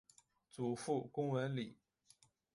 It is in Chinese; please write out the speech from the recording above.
祖父龚文礼。